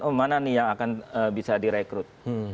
oh mana nih yang akan bisa direkrut